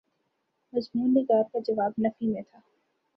مضمون نگار کا جواب نفی میں تھا۔